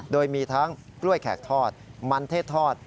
โดยมีทั้งกล้วยแขกทอดมันเทศทอด